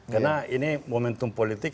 karena ini momentum politik